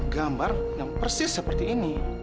gambar yang persis seperti ini